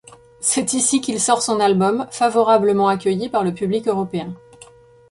C'est ici qu'il sort son album ', favorablement accueilli par le public européen.